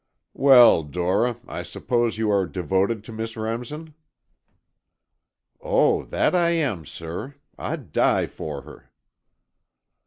"Well, Dora, I suppose you are devoted to Miss Remsen?" "Oh, that I am, sir. I'd die for her!"